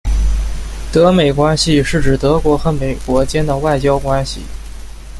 德美关系是指德国和美国间的外交关系。